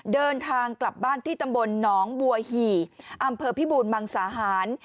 เดินทางกลับบ้านที่ตำบลหนองบัวหี่อำเภอพิบูรมังสาหาร